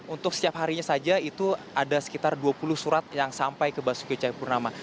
untuk setiap harinya saja itu ada sekitar dua puluh surat yang sampai ke basuki cahayapurnama